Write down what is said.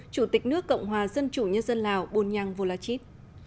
chủ tịch nước cộng hòa dân chủ nhân dân lào bunyang volachit